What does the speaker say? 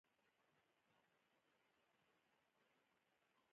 هغې د ښایسته خاطرو لپاره د تاوده سرود سندره ویله.